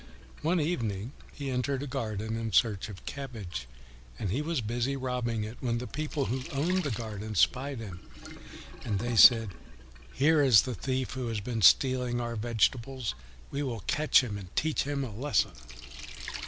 One evening he entered a garden in search of cabbage, and he was busy robbing it, when the people who owned the garden spied him. And they said, "Here is the thief who has been stealing our vegetables. We will catch him and teach him a lesson."